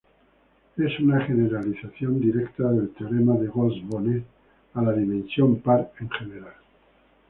Es una generalización directa del teorema de Gauss-Bonnet a la dimensión par en general.